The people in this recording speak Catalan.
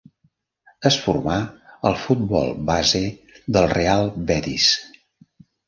Es formà al futbol base del Real Betis.